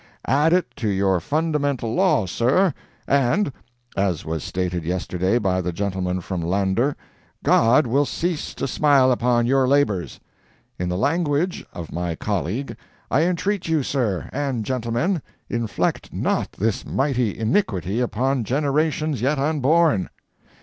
Add it to your fundamental law, sir, and (as was stated yesterday by the gentleman from Lander) God will cease to smile upon your labors. In the language (of my colleague), I entreat you, sir, and gentlemen, inflict not this mighty iniquity upon generations yet unborn!